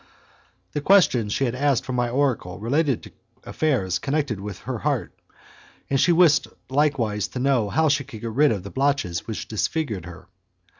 The questions she had asked from my oracle related to affairs connected with her heart, and she wished likewise to know how she could get rid of the blotches which disfigured her.